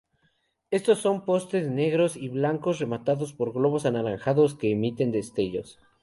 Estos son postes negros y blancos rematados por globos anaranjados que emiten destellos.